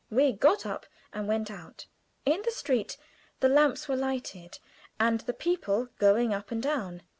We got up and went out. In the street the lamps were lighted, and the people going up and down.